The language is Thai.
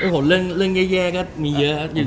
ผลเรื่องแย่ก็มีเยอะครับ